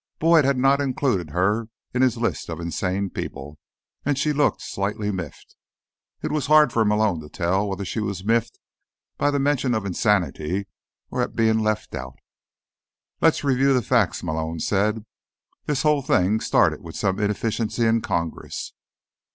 Boyd had not included her in his list of insane people, and she looked slightly miffed. It was hard for Malone to tell whether she was miffed by the mention of insanity, or at being left out. "Let's review the facts," Malone said. "This whole thing started with some inefficiency in Congress."